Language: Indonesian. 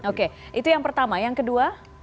oke itu yang pertama yang kedua